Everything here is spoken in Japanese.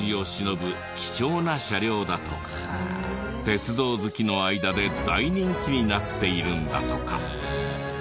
貴重な車両だと鉄道好きの間で大人気になっているんだとか。